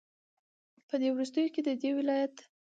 په دې وروستيو كې ددې ولايت